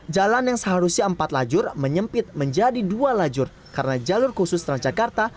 jalan yang seharusnya empat lajur menyempit menjadi dua lajur karena jalur khusus transjakarta